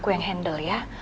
aku yang handle ya